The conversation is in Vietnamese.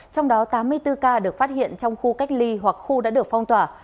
trong đó tám mươi bốn ca được phát hiện trong khu cách ly hoặc khu đã được phong tỏa